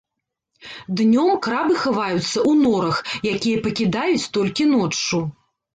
Днём крабы хаваюцца ў норах, якія пакідаюць толькі ноччу.